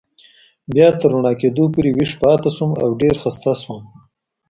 بیا تر رڼا کېدو پورې ویښ پاتې شوم او ډېر و خسته شوم.